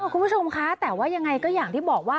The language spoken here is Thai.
คุณผู้ชมคะแต่ว่ายังไงก็อย่างที่บอกว่า